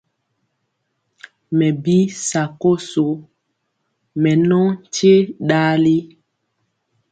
Mɛ bi sakoso, mɛ nɔ nkye ɗali.